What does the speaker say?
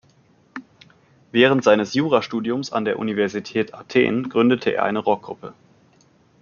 Während seines Jurastudiums an der Universität Athen gründete er eine Rockgruppe.